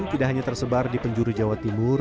tidak hanya tersebar di penjuru jawa timur